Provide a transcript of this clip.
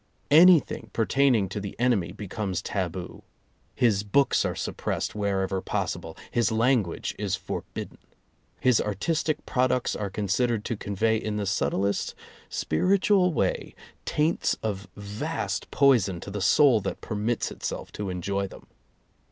Anything pertaining to the enemy be comes taboo. His books are suppressed wherever possible, his language is forbidden. His artistic products are considered to convey in the subtlest spiritual way taints of vast poison to the soul that permits itself to enjoy them.